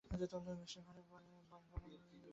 সে ঘরে তাঁর বাল-গোপাল বিগ্রহ প্রতিষ্ঠিত ছিল।